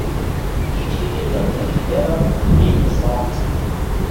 Ich verstehe die Argumente derer, die gegen das Rauchen sind.